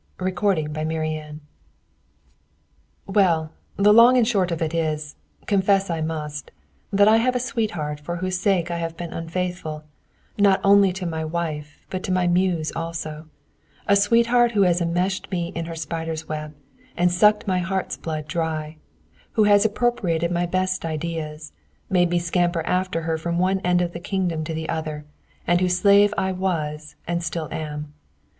CHAPTER XX CONFESSION Well, the long and short of it is, confess I must, that I have a sweetheart for whose sake I have been unfaithful, not only to my wife, but to my muse also a sweetheart who has immeshed me in her spider's web, and sucked my heart's blood dry, who has appropriated my best ideas, made me scamper after her from one end of the kingdom to the other, and whose slave I was and still am.